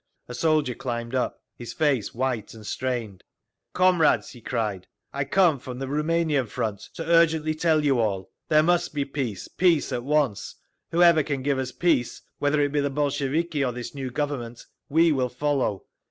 A soldier climbed up, his face white and strained, "Comrades!" he cried, "I came from the Rumanian front, to urgently tell you all: there must be peace! Peace at once! Whoever can give us peace, whether it be the Bolsheviki or this new Government, we will follow.